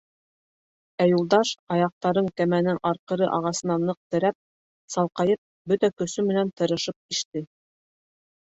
Ә Юлдаш аяҡтарын кәмәнең арҡыры ағасына ныҡ терәп, салҡайып, бөтә көсө менән тырышып иште.